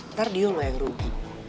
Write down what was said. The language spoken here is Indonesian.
ntar dio mah yang rugi